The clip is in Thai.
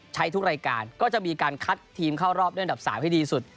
ทุกรายการก็จะมีการคัดทีมเข้ารอบด้วยอันดับ๓ให้ดีสุด